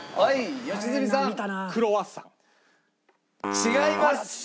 違います。